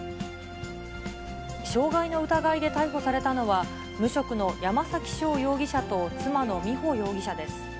傷害の疑いで逮捕されたのは、無職の山崎翔容疑者と妻の美穂容疑者です。